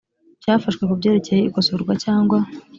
cyafashwe ku byerekeye ikosorwa cyangwa